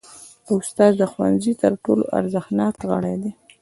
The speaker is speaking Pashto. استاد د ښوونځي تر ټولو ارزښتناک غړی دی.